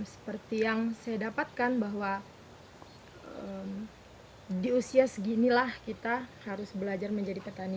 seperti yang saya dapatkan bahwa di usia seginilah kita harus belajar menjadi petani